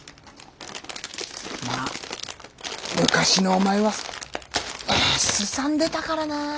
まあ昔のお前はすさんでたからな。